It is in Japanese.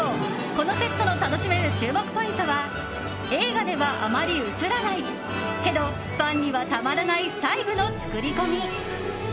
このセットの楽しめる注目ポイントは映画ではあまり映らないけどファンにはたまらない細部の作り込み！